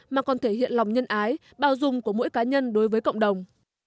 mà còn thể hiện lòng nhân ái bao dung của mỗi cá nhân đối với cộng đồng